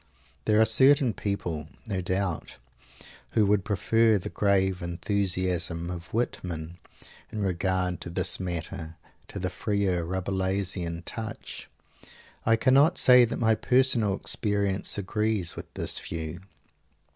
There are certain people, no doubt, who would prefer the grave enthusiasm of Whitman in regard to this matter to the freer Rabelaisian touch. I cannot say that my personal experience agrees with this view.